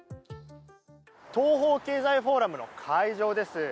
東方経済フォーラムの会場です。